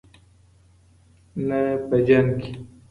نه په جنګ کې.